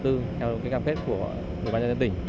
theo cái cam phết của dự bàn nhân tỉnh